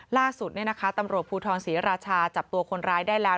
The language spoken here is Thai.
ล่าสุดตำรวจภูทรศรีราชาจับตัวคนร้ายได้แล้ว